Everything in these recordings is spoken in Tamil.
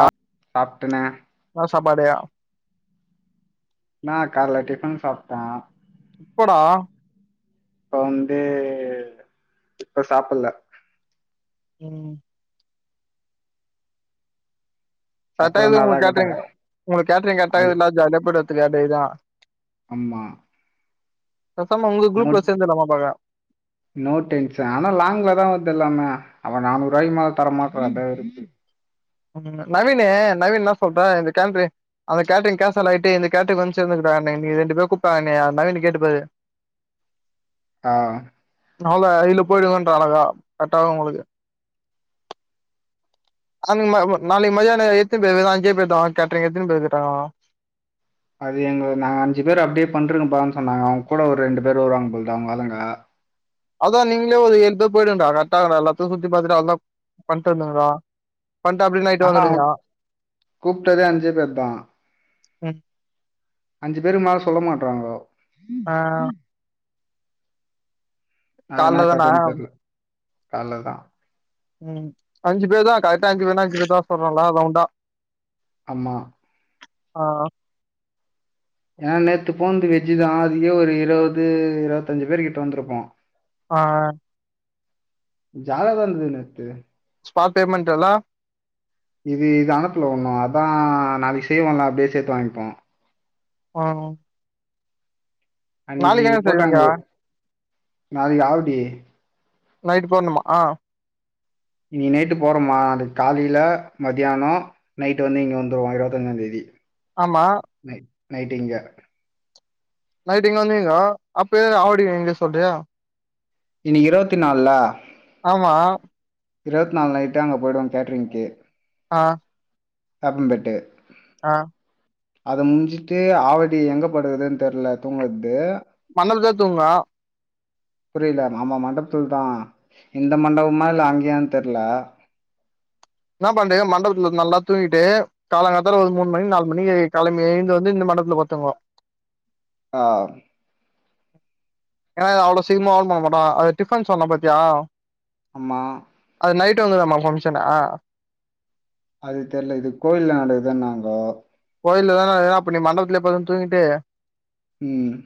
ஆ சாப்ட்டனே னா சாப்பாடே நா கால்ல டிஃபன் சாப்ட்ட இப்படா இப்ப வந்து இப்ப சாப்புல்ல ம் பட்டையில சாப்பறனாதா உங்களுக் கத கேட்ரிங் உங்குளுக்கு கேட்ரிங் அது ஆ [unintelligible] அம்மா பெசாம உங்க குரூப்ல சேர்ந்துலாமா பாக்க நோ டென்ஷன் ஆனா லாங்லதா வர்து எல்லாம அவ நானூறு ரூபாய்க்கு மேல தர மாட்ரான் டே [unintelligible] நவீனு நவீன் இன்னா சொல்றா இந்த கேம்பே அந்த கேட்ரிங் கேன்சல் ஆயிட்டு இந்த கேட்ரிக்கு வந்து சேர்ந்துங்க நீங்க ரெண்டு பேரு கூப்டாங்க என்னைய அன்னால நீ கேட்டுப்பாரு ஆ நவுள இல்ல போயிடுங்கன்றா அழக கரெடாவும் உங்களுக்கு அம்ம நாளைக்கு மதியான எத்துனு பேருதேன் வெரும் அஞ்சே பேர் தா கேட்ரிங்கு எத்துன்னு பேவோ அது எங்க நாங்க அஞ்சு பேர் அப்டியே பண்ருக்கன்பான்னு சொன்னாங்க அவுங் கூட ஒரு ரெண்டு பேரு வருவாங்க போல் அவுங்க வாராங்க அதா நீங்ளே ஒரு எழு பேர் போய்டுங்கடா கரெக்டாருக்கு எல்லாத்தையு சுத்தி பாத்துட்டு அதானன [inaudible] பண்ட்டு வந்துருங்கடா பண்ட்டா அப்புடின்னா நயிட்டு வந்துடுங்க கூப்டதே அஞ்சே பேர்தா ம் அஞ்சு பேருக்கு மேல சொல்ல மாட்றாங்கோ ஆ அது என்னா கால்ல தானா கதன்னு தெர்ல அவ்ளோதா ம் அஞ்சு பேர் தா கரெட்டா அஞ்சு பேருதா அஞ்சு பேர்தா சொல்லலா ரௌண்டா அம்மா ஆ ஏன் நேத்துப் போனது வெஜ் தா அதிலே ஒரு இருவது இருவத்தஞ்சு பேர் கிட்ட வந்திருப்போ ஆ ஜாதகம் வந்துது நேத்து ஸ்பாட் பேமெண்ட் அல்லா இது இது அனுப்பல ஒண்ணு அதா நாளைக்கு சேவ் ஆனா அப்டியே சேத்து வாங்கிப்போ ஆ அன்னைக்கு என்ன செய்வீங்க போட்டாங்கள நாளைக்கு ஆவடி நைட்டு போயிட்ணுமா ஆ இன்னிக்கு நைட்டு போறோமா அதுக்கு காலைல மத்தியானோ நைட்டு வந்து இங்க வந்துருவோ இருவத்தஞ்சாந் தேதி ஆமா நை நைட்டு இங்க நைட்டு இங்க வந்தீங்க அப்ப ஏ ஆவடி சொல்றியா இன்னிக்கு இருவத்தி நாலுல ஆமா இருவத்தி நாலு நைட்டு அங்க போயிடுவோ கேட்ரிங்க்கு ஆ அப்பந்தெட்டு ஆ அத முஞ்சிட்டு ஆவடி எங்க படுக்றதுன்னு தெர்ல தூங்குறது மண்டபத்லே தூங்லா புரில ஆமா மண்டபத்துல தா இந்த மண்டபமா இல்ல அங் அங்கயான் தெர்ல என்ன பண்றீங்க மண்டபத்துல நல்லா தூங்கிட்டு காலங்காத்தால ஒரு மூணு மணி நாலு மணி கிழம்பி எழுந்து வந்து இந்த மண்படத்துல படுத்துக்குவோ ஆ ஏன்னா இது அவ்ளோ சீக்ரமா ஓப்பன் பண்ண மாட்டாங்க அது டிஃபன் சொன்ன ப பாத்தியா ஆமா அது நைட் வங்கதமா ஃபங்க்ஷனா அது தெரில இது கோயில்ல நடக்குது நாங்கோ கோயில்ல தானா ஏனா அப்போ நீ மண்டபத்துல படுத்து தூங்கிட்டு ம்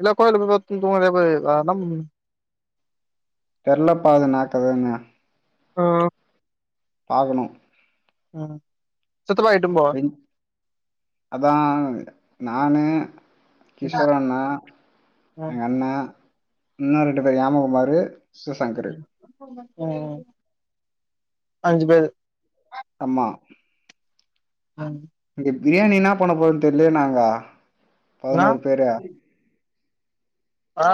இல்ல கோயிலு போய் தூங்குவோ தங்கம் தெர்லபா அது நாக்கதானு ஆ பாகணும் ம் அதா நானு கிஷோர் அண்ணே எங்க அண்ணா இன்னும் ரெண்டு பேர் யாமகுமாரு சு சங்கங்கர் ம் அஞ்சு பேர் ஆமா ஆ இங்க பிரியாணி என்ன பண்ண போதுன்னு தெரிலயே நாங்க ன்னா பதினோரு பேரு ஆ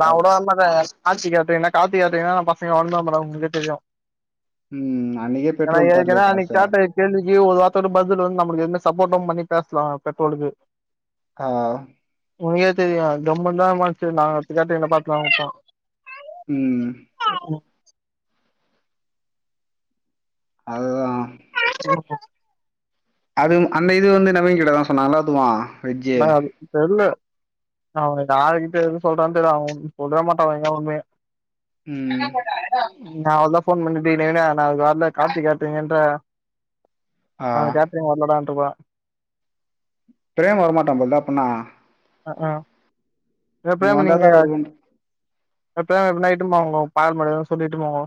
நான் உடவான்னு பாத்த ஆச்சி கேட்டுங்கன்னா காபி கேட்டுர்ங்கன்னா நான் பசங்க வாழ்ந்தன் மேடே உங்களுக்கே தெரியும் ம் அண்ணிகே பெட்ரோல் தரல ஏற்கனவே காச அன்னைக்கு கேட்ட கேள்விக்கு ஒரு வார்த்த பதில் வந்து நம எவுமே சப்போ்ட்டும் பண்ணி பேசலாம் பெட்ரோலுக்கு ஆ உனக்கே தெரியும் கம்மன்னு தான் மொச்சு நாங்க அத்துக்கேட்டு என்ன பாத்துலாம்ப்ப ம் ஆஹ அது தா [unintelligible] அது அந்த இது வந்து நமைய் கிட்ட தான் சொன்னாங்கல்லா எல்லத்துகு ஆது தெரில அவன் யாருக்கு கிட்ட எது சொல்றான் தெரில அவன் சொல்லவே மாட்டான் எங்க உண்மையே ம் நான் அவதான் போன் பண்ணட்டீா நான் வாரல காட்சி காேட்டீங்கன்ற ஆ நான் அந்த கேட்டுறீங் வர்லடான்ட்டு இருப்ப ப்ரேம வர மாட்ட போதுதான் அப்டிண்ணா அ ஆ நீ எப்டியாம வந்தாதான் நீங்க தான் வருவோம் எப்டிய நைட்டும் போங்கே பால் மடியனு சொல்லிட்டு போங்கே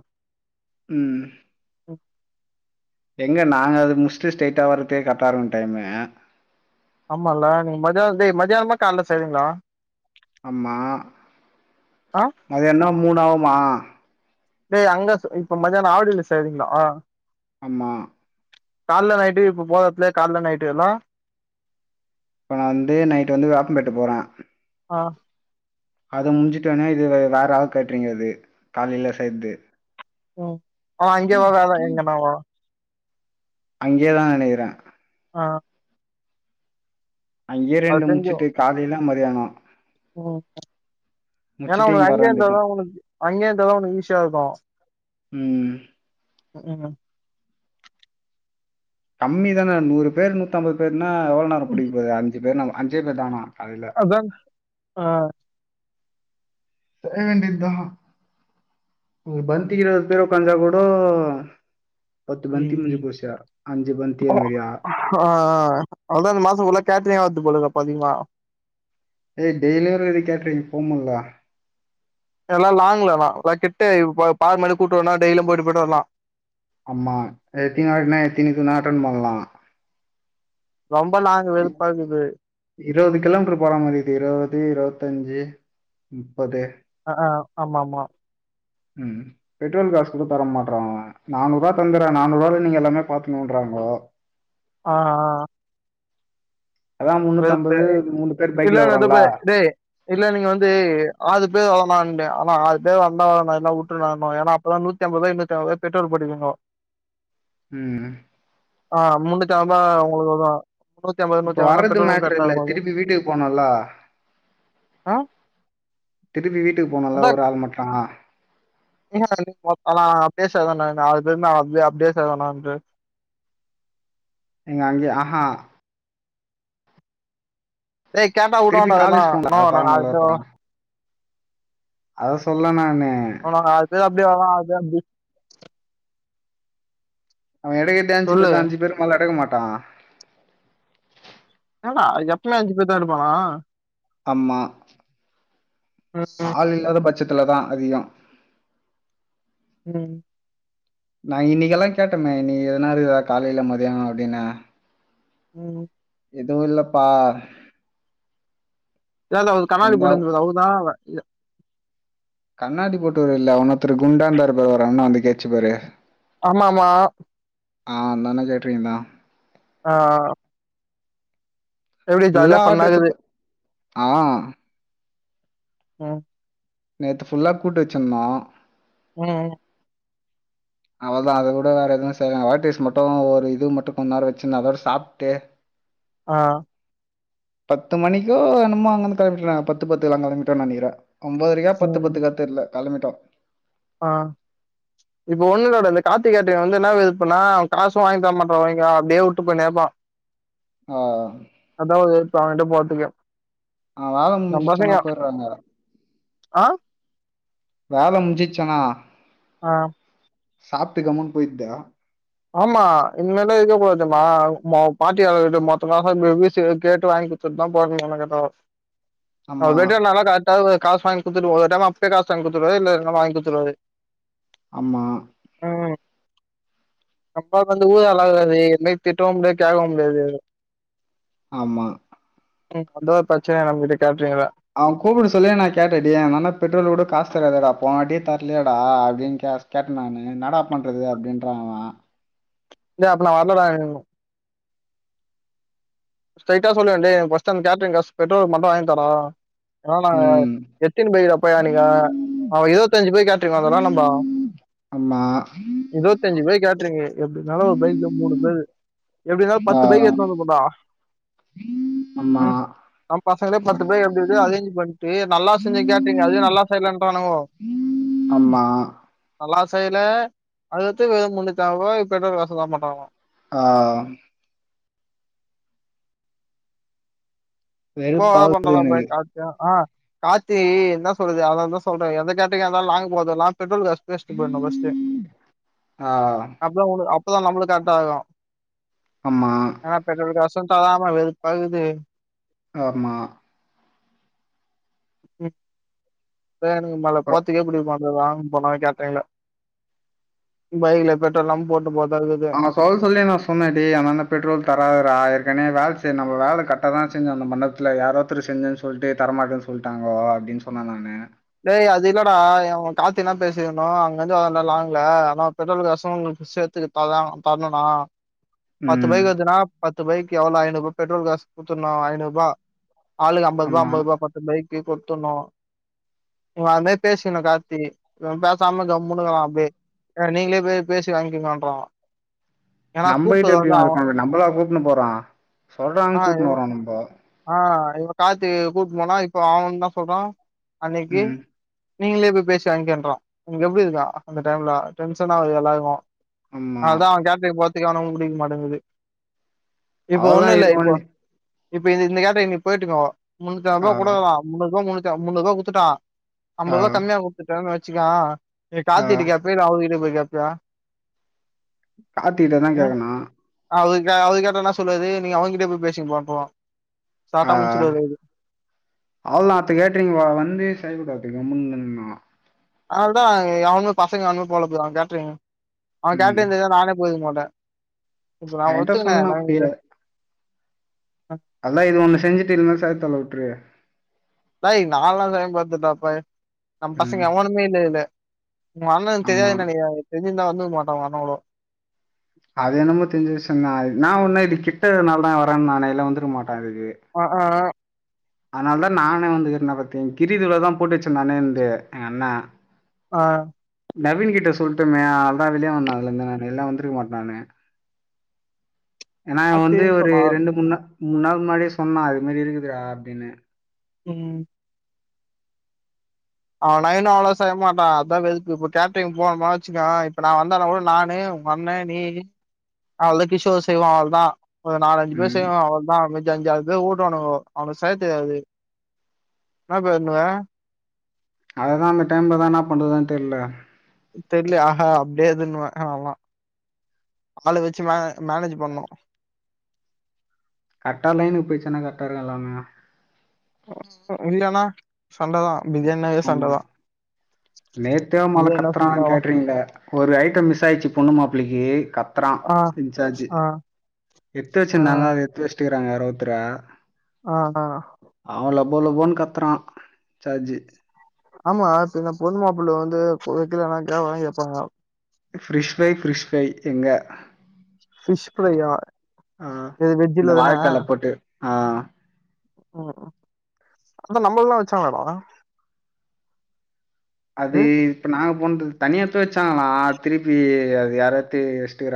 ம் எங்க நாங்க அது முஸ்ட்டு ஸ்ரெயிட்டா வர்றதே கர்ட்டா இர்க்கு டைம் ஆமால்ல நீங்க மதியானம் மதியானமா கால செய்வீங்களா ஆமா ஆ மதிய என்ன மூணு ஆகுமா ஏய் அங்க இப்ப மதியானம் ஆவடில்ல செய்வீங்களா ஆமா கால்ல நைட்டு இப்போ போத எடதுலே கால்ல நைட்டு எல்லா இப்போ நான் வந்து நைட் வந்து வெப்பம் பெட்டு போறேன் ஆ அத முடிஞ்சுட்டுனே இது வேற ஆள் கேட்டுறீங் அது காலையில சேய்ர்த்து ம் அவ அங்கேவ அ எங்க நாவோ அங்கே தான் நெனைக்கிறேன் ஆ அங்கே அது ரெண்டு முட்ச்சுட்டு காலைலே மதியானோ ஓ ஏனா உனக்கு இங்க வர அங்கே வேண்டியதான் இருந்தாதான் உனக்கு அங்கே இருந்தாதான் உனக்கு ஈஸியா இருக்கும் ம் அப்ற என்ன கம்மி தானே நூறு பேரு நூத்தம்பது பேருனா எவ்ளோ நேரம் புடிக்க போது அஞ்சு பேரு அஞ்சே பேர் தானா காலைல அதா ஆ ஏ நிந்தா அ ம் பல்டிகறது இப்டியே உக்காந்தா கூட பத்து பந்தி ம் முஞ்சி ம். போச்சா அஞ்சு பந்தி மீரியா ஆ அதா இந்த மாச ஃபுல்லா கேட்ரிங்கா எடுத்து போடுங்க பாதிங்ளா ஏ டெய்லி ஒரொரு கேட்ரிங் போ முல்லடா எல்லா லாங்கலண்ணா எல்லா கிட்ட இப்ப பார்ட் மாரி கூட்டு வரனா டெய்லி போயிட்டு போயிட்டு வரலா ஆமா எத்தினி வாட்னா எத்தினி இதுனா அட்டன் பண்லா ரொம்ப லாங் வெறுப்பாகுது இருபது கிலோமீட்ரு போறா மாரி இக்குது இருபது இருபத்தஞ்சு முப்பது அ ஆ ஆமாமா ம் பெட்ரோல் காசு கூட தர மாட்றா அவ நானூர்வா தந்துறே நானூருபால நீங்க எல்லாமே பாத்துணுன்றாங்கோ ஆ ஆ அதான் வெறுப்பே முந்நூற்றம்பது மூணு பேர் இல்ல பைக்கில் இல்ல வரோம்ல துபே டே இல்ல நீங்க வந்து ஆறு பேர் வரலான்ங்க ஆனா ஆறு பேர் வந்தா வரானா இல்லனா உட்ருனானுவ ஏன்னா அப்பதா நூத்தி நூத்தி அம்பது ருவாய்க் நூத்தி அம்பது ருவாய்க் பெட்ரோல் போட்டுகனிங்கோ ம் ஆ முன்னூத்தி அம்பா உங்களுக்குதா முன்னூத்தி அம்பது நூத்தி அம்பனா அது மேட்ரு இல்ல திருப்பி வீட்டுக்கு போனுல்ல ஆ திருப்பி வீட்டுக்கு போனுல்ல ஒரு ஆள் மட்ட என்ன பண்ணிங்க அண்ணா பேசறதானா இந்த ஆறு பேர்னா ஆறு பேர் அப்டியே சேவன்னா வந்து நீங்க அங்கே அஹா ஏய் கேட்டா திருப்பி வுடுவாண்டா அதெல்லா காலேஜ் போனோல்ல, இன்னு அத ஒரு நாலு பாக்கணுல்ல பே பக்கம். அத ஆ சொல்ல நானு. ஆனா நாலு பேர் அப்டியே வன்னா ஆறு பேர் அப்டி அவ எடக்கட்டே அஞ்சு சொல்லு பேர்தா அஞ்சு பேர்க்கு‌ மேல‌ எடுக்க‌ மாட்டா என்னடா எப்பமே அஞ்சு பேர்தா எடுப்பானா அம்மா ம், ஆள் இல்லாத பட்சத்துலதா அதியு ம் நா இன்னிக்கெல்லா கேட்டமே நீ எதனாரு ஏதா காலையில மதியானோ அப்டினு ம் எதுவு இல்லப்பா இதாவது அவ கண்ணாடி இந்தா" போட்டுது அவுதா அவ கண்ணாடி போட்டுவரு இல்ல இன்னொத்தரு குண்டா இந்தாரு பாரு ஒரு அண்ணா வந்து கேச்சு பாரு ஆமாமா ஆ அந்த அண்ணா கேட்ரிங்தா ஆ எப்டி ஜாலியா ஃபுல்லா ஆட்ரு ஃபண்ணாகுது எடுத்து ஆ, ம் நேத்து ஃபுல்லா கூட்டு வெச்சிருந்தோ ம் ம் அவள்தா அத விட வேற ஏதா செய்வாங்க வேர்டேஸ் மட்டு ஒரு இது மட்டு கொஞ்ச நேர வெச்சுன்னு அதோட சாப்ட்டு ஆ பத்து மணிக்கோ என்னமோ அங்கந்து கெளம்பிட்ட நா பத்து பத்துக்குலா கெளம்பிட்ட நெனைக்குற ஒம்பதரைக்கா பத்து ம், பத்துக்கா தெர்ல கெளம்பிட்டோ ஆ இப்ப ஒண்ணு இல்ல அப்டே அந்த கார்த்திக் கேட்டு இவ வந்து என்னா விருப்பன்னா அவன் காசும் வாங்கி தர மாட்ரா ஒய்ங்கா அப்டே உட்டு போய்னேப்பா ஆ அதா வெறுப்பே அவங்கிட்ட போறத்துக்கே ஆ வேல முஞ்சிச்சன்னா போயிறாங்க ஆ வேல முஞ்சிச்சன்னா ஆ சாப்ட்டு கம்முன் போய்ட்தா ஆமா இந் மாரில்லா இருக்கவே கூடாது தெரிமா மோ [unintelligible] மொத்த காசும் [unintelligible] கேட்டு வாயிங் குத் துட்தா போவே என்ன கேட்டாங்கோ அவ ஆமாம் கிட்ட நல்லா கரக்டா கு காசு வாங்கி குத்துட்டு ஒரு ஒரு டைம் அப்பயே காசு வாங்கி குத்துருவாரு இல்ல நம்ம வாங்கி குத்துருவாரு ஆமா ம் நம்பாள் வந்து ஊர் அழகாது என்னயு திட்டவு முடியாது கேக்கவு முடியாது எதுவு ஆமா [unintelligible] பிரச்சனையா நம்ம கிட்ட கேட்றீங்க்ல அவன் கூப்புட சொல்லியே நா கேட்ட டேய் அந்த அண்ணா பெட்ரோல் கூட காசு தராதேடா போனவாட்டியே தர்லயே டா அப்டின் கேஸ் கேட்டே நானு இன்னாடா பண்றது அப்டின்றா அவன் டேய் அப்ப நா வர்ல டா [unintelligible] ஸ்ட்ரைட்டா சொல்லுவ டேய் எனக் ஃபர்ஸ்ட் அந்த கேட்டரிங் காசு பெட்ரோல்க்கு மட்டு வாங்கி தாடா இல்லனா நாங்க எத்தினி [unintelligible] பையா நீங்க ம் அவ இருவத்தஞ்சு பேர் கேட்ரிங் வந்தா நம்ப ஆமா இருவத்தஞ்சு பேர் கேட்ரிங்கு எப்டினாலு ஒரு பைக்ல மூணு பேரு எப்டினாலு ஆ, பத்து பைக்கு எத்துனு வந்துருப்போ டா ஆமா ம் நம் பசங்களே பத்து பைக் எப்டி எப்படியோ அரேஞ்ச் பண்ட்டு நல்லா செஞ்ச கேட்ரிங்கு அதே நல்லாப் செய்லன்டானுங்கோ ஆமா நல்லா செய்ல அது [unintelligible] பெட்ரோல் காசு தர மாட்டாங்கலா ஆ போ வேல பண்ற வெறுப்பாகுது தா போய் எனக்கு சாப் டியா ஆ கார்த்தி என்ன சொல்லுது அத தா சொல்றே எந்த கேட்ரிங்கா இருந்தாலு லாங்க போதுல்லா பெட்ரோல் காசு பேசிட்டு போய்ட்னு ஃபர்ஸ்ட்டே ஆ, அப்பதா ஓனர் அப்பதா நம்மளு கரெக்டா ஆகு ஆமா னா பெட்ரோல் காசும் தராம வெறுப்பாகுது ஆமா ம் இப்ப எனக்கு மொதல்ல அப்புறம் போறதுக்கே புடிக்க மாட் ங்க லாங் போனா கேட்ரிங்ல பைக்ல பெட்ரோல்லா போட்டு போற்தாக்குது சொல் சொல்லே நா சொன்னே டேய் அவனான்ட பெட்ரோல் தராதரா ஏற்கனே வேல செய் நம் வேல கர்ட்டா தான் செஞ்ச அந்த மண்டப் துல யாரோ ஒத்தரு செஞ்சன் சொல்ட்டு தரமாட்டனு சொல்ட்டாங்கோ அப்டின் சொன்ன நானு டேய் அது இல்லடா இவன் கார்த்தி என்ன பேசிகணு அங்கந்து வந்தோ லாங்க்ல ஆனா பெட்ரோல் காசும் உங்களுக்கு சேத்துகுத் ப்பாதா அவ்ங் தர்னுன்னா பத்து ம் பைக் வருதுனா பத்து பைக் எவ்ளோ ஐநூறு ரூபா பெட்ரோல் காசு குடுத்துட்னோ ஐநூறு ரூபா ஆளுக்கு அம்பது ருவா ஆமாம் அம்பது ருவா பத்து பைக்கு குடுத்துடுணு இவன் அது மாரி பேசிக்கணு கார்த்திகி இவன் பேசாம கம்முனு இருக்கா அப்டியே வேற நீங்களே போய் பேசி வாங்கிக்கீங்கன்றா நம்மகிட்ட எப்டி வாங்கிப்பாங்க நம்மளா கூப்டுனு போறோ ஆ சொல்றாங்கனு கூட்டுனு இவ வரோம் நம்ப ஆ இவன் கார்த்தி கூப்டுனு போனா இப்ப அவன் என்ன சொல்றான் அன்னக்கி ம் நீங்களே போய் பேசி வாங்கிக்கன்றா உங்களுக்கு எப்டி இருக்கு அந்த டைம்ல டென்ஷனாவுது எல்லாருக்கு ஆமா அதா அவன் கார்த்திக்க பாத்து அவன உங்களுக்கு பிடிக்க மாட்டேங்குது இப்ப அவளதா ஒன்னு இல்ல இது இப்போ பண்ணி இப்ப இந்த இந்த கேட்டரிங் நீ பெய்ட்டு இங்க வா முன்னுத்தாரு ஆ கிலோ கொண்டு வரவா முன்னூரூ கிலோ முடிஞ்ச்சா முன்னூரூ கிலோ வித்துட்டா ஆ அம்பது ருவா கம்மியா குடுத்துட்டாங்கனு வச்சிக்கா நீ ஆ கார்த்திட்ட கேப்பியா இல்ல அவரு வீட்டுக்கு போய் கேப்பியா கார்த்திட்டதா கேக்கணு அவுரு கே அவுரு கேட்டா என்ன சொல்லுவாரு நீங்க அவன் கிட்டயே போய் பேசிங்கப்பா அனுப்புவா ஆ அவ்ளோதா அடுத்த கேட்டரிங் வா வந்து செய்ய கூடாது கம்முனு இந்துர்னோ அதனாலதா எவனுமே பசங்க யாருமே போலப்புல அவன் கேட்டரிங் அவன் ம் கேட்டரிங் தெரிஞ்சா நானே போயிருக்க மாட்டே நா என்கிட்ட ஒத்துக்கனே சொன்னா என்னங் இது அப்பயே அதெலா இது ஒன்னு செஞ்சிட்டு இதுமேல செய்தெவல்ல உட்ரு பாய் நாலு நாள்தா ஏங் பாத்தா தப்பு நம்ப பசங்க ம் எவனுமே இல்ல இதுல உங்க அண்ணணுக்கு ஆமா தெரியாதுனு நெனக்கிறியா அவனுக்கு தெரிஞ்சிருந்தா வந்துருக்கமாட்டா ஒங்க அண்ண கூட அது என்னமோ தெரி்ஞ்ச விசியந்தா அது ஏன்ன ஒன்னு இது கிட்ட இருகிதுனால தா வரேன் நானு இல்ல வந்திருக்க மாட்டே அதுக்கு ஆ ஆ அதனால தா நானே வந்துகிறன பாத்துகிங் கிரிதுள தா போட்டு வச்சே நனயுன்ட்டு எங்க அண்ண ஆ நவீனு கிட்ட சொல்ட்டமே அதா வெளிய வந்தான்ல இந்த நேரோ இல்ல வந்துருக்க மாட்டேனானு ஏன்னா இவன் வந்து அத்தைன்னு ஒரு சொன்னா ரெண்டு மூண் நா மூணு நாள் முன்னாடியே சொன்னான் அதுமாரி இருக்குதுடா அப்டினு ம் அவனா இன்னு அவ்ளோதா செய்ய மாட்டா அதா வெல்து இப்ப கேட்ரிங் போ போனா வச்சுக்கோ இப்ப நா வந்தனா கூட நானே ஒங் அண்ணெ நீ அவ்ளோதா கிஷோர் செய்வா அவ்ளோதா ஒரு நாலஞ்சு பேர் ம். செய்வோ அவ்ளோதா அஞ்சு அஞ்சாரு பேரு ஓடுவானுங்க அவனுகு செய்ய தெரியாது என்ன பண்ணுவ அததா அந்த டைம்ல தா என்ன பண்றதுனு தெர்ல தெர்லயா ஆகா அப்டியே இதுன்னுவே அதனாலதா ஆளு வச்சு மே மேனேஜ் பண்ணணு கரட்டா லயனுக்கு போயிசுனாக்க கர்ட்டா இருக்கு எல்லாமே இல்லனா சண்ட தான் பிரியா ஆமா நேத்தே மொதல்ல பிரியாணினா கத்துறா சும்மாவா கேட்டரீங்ள ஒரு ஐட்டம் மிஸ் ஆயிருச்சு பொண்ணு மாப்பிள்ளைக்கு கத் துறான் ஆ இன்சார்ஜு ஆ எத்து ஆ வச்சிருந்தாங்க அத எத்து வச்சுட்டுருக்காங்க வேற ஒர்த்தர ஆ ஆ அவன் லபோ லபோனு கத்தறா இன்ஜார்ஜு ஆமா சில பொண்ணு மாப்பிள்ளை வந்து வைக்கலனா கேவலமா கேப்பாங்க ஃபிரிஸ் ஃப்ரை ஃபிரிஸ் ஃப்ரை எங்க ஃபிஷ் ஃப்ரையா ஆ. எது அந்த வெஜ்ஜல தான்னா வாழக்கால போட்டு. ஆ ஓஹோ அது நம்மளுக்கெல்லா வச்சாங்களே டா அது டேய் இப்ப நாங்க போன்துகு தனியா எடுத்து வச்சாங்களா திருப்பி அது யாராத்து வச்ட்டுருகாங்